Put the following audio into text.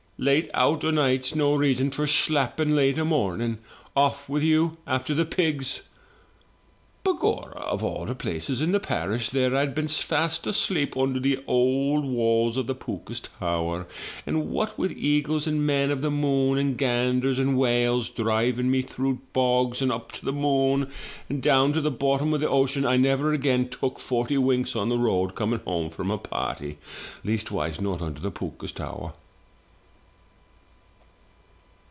Late out o'nights, no reason for shlapirC late o' morning. Off with you after the pigs!' ''Begorra! of all the places in the parish, there Td been fast asleep under the ould walls of the Pooka's Tower. And what with eagles, and men of the moon, and ganders, and whales, driving me through bogs, and up to the moon, and down to the bottom of the ocean, I never again took forty winks on the road coming home from a party — ^leastwise not under the Pooka's Tower!"